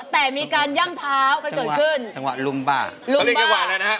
แต่มีการยั่งเท้ากระจดขึ้น